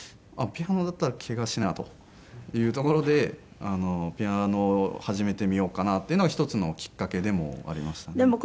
ピアノだったらケガしないなというところでピアノを始めてみようかなっていうのが一つのきっかけでもありましたね。